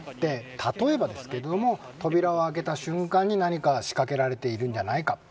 例えばですけれども扉を開けた瞬間に何か仕掛けられているんじゃないか。